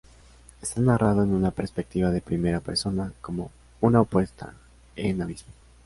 Esta narrado en una perspectiva de primera persona, como una puesta en abismo.